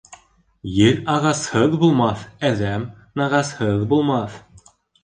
Ер ағасһыҙ булмаҫ, әҙәм нағасһыҙ булмаҫ.